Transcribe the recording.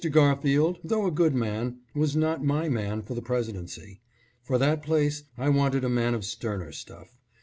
Garfield, though a good man, was not my man for the Presidency. For that place I wanted a man of sterner stuff.